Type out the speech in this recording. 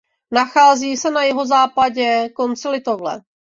Nachází se na jihozápadě konci Litovle.